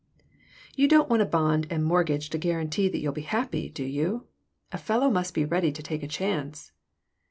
"You don't want a bond and mortgage to guarantee that you'll be happy, do you? A fellow must be ready to take a chance."